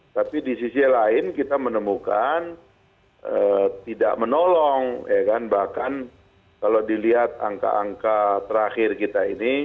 tapi di sisi lain kita menemukan tidak menolong bahkan kalau dilihat angka angka terakhir kita ini